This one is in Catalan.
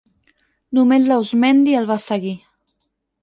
Només l'Auzmendi el va seguir.